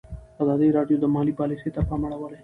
ازادي راډیو د مالي پالیسي ته پام اړولی.